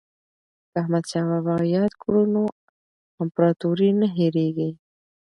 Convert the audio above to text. که احمد شاه بابا یاد کړو نو امپراتوري نه هیریږي.